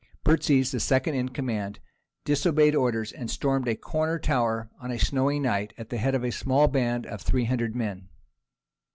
Burtzes, the second in command, disobeyed orders and stormed a corner tower on a snowy night at the head of a small band of 300 men.